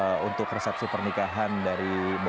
ee untuk resepsi pernikahan dari bobo